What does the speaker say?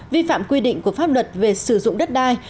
vi phạm quy định của pháp luật về sử dụng đất đai